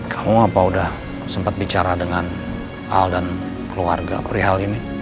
kamu apa udah sempat bicara dengan al dan keluarga perihal ini